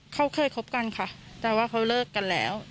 เขาเคยคบกันค่ะแต่ว่าเขาเลิกกันแล้ว